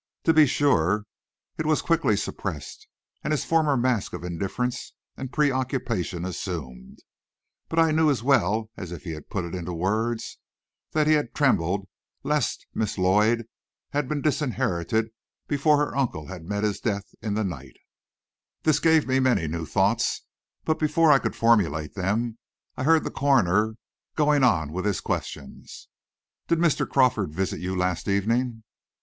To be sure, it was quickly suppressed, and his former mask of indifference and preoccupation assumed, but I knew as well as if he had put it into words, that he had trembled lest Miss Lloyd had been disinherited before her uncle had met his death in the night. This gave me many newThis gave me many new thoughts, but before I could formulate them, I heard the coroner going on with his questions. "Did Mr. Crawford visit you last evening?"